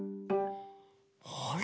あれ？